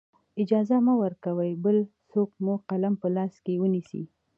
اجازه مه ورکوئ بل څوک مو قلم په لاس کې ونیسي.